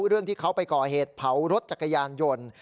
เรื่องที่เขาไปก่อเหตุเผารถจักรยานยนต์